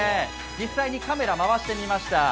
実際にカメラを回してみました。